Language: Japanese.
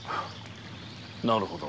なるほど。